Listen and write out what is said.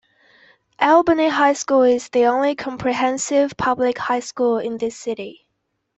Albany High School is the only comprehensive public high school in the city.